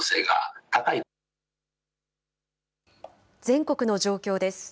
全国の状況です。